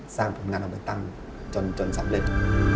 สร้างผลักงานเอาไปตั้งจนสำเร็จ